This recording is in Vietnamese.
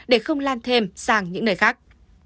để không lan thêm sang những nơi khác